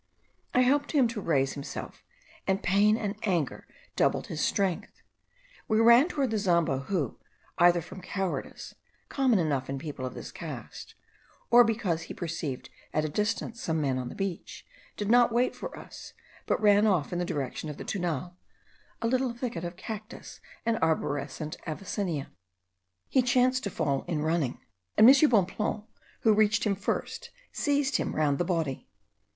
I helped him to raise himself, and pain and anger doubled his strength. We ran toward the Zambo, who, either from cowardice, common enough in people of this caste, or because he perceived at a distance some men on the beach, did not wait for us, but ran off in the direction of the Tunal, a little thicket of cactus and arborescent avicennia. He chanced to fall in running; and M. Bonpland, who reached him first, seized him round the body.